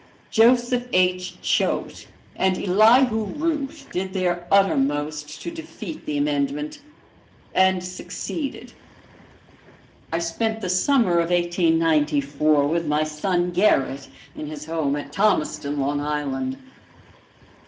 Joseph H. Choate and Elihu Root did their uttermost to defeat the amendment, and succeeded. I spent the summer of 1894 with my son Gerrit, in his home at Thomaston, Long Island.